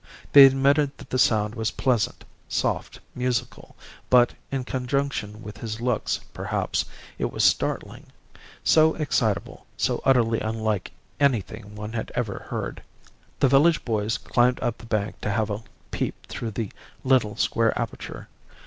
They admitted that the sound was pleasant, soft, musical but, in conjunction with his looks perhaps, it was startling so excitable, so utterly unlike anything one had ever heard. The village boys climbed up the bank to have a peep through the little square aperture.